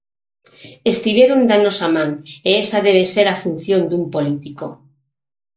Estiveron da nosa man e esa debe ser a función dun político.